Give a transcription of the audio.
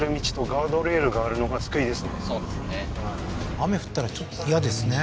雨降ったらちょっと嫌ですね